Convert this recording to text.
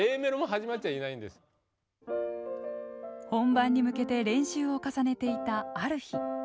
本番に向けて練習を重ねていたある日。